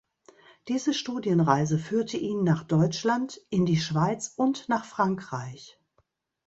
Diese Studienreise führte ihn nach Deutschland, in die Schweiz und nach Frankreich.